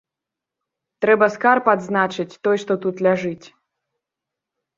Трэба скарб адзначыць той, што тут ляжыць.